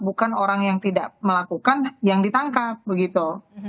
bukan orang yang tidak melakukan yang ditangkap begitu